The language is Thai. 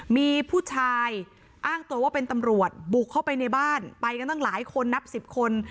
มีผู้ชายอ้างตัวว่าเป็นตำรวจบุกเข้าไปในบ้านไปกันตั้งหลายคนนับสิบคน